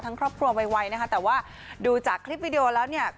ครอบครัวไวนะคะแต่ว่าดูจากคลิปวิดีโอแล้วเนี่ย